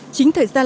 chính thời gian